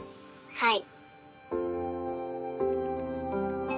はい。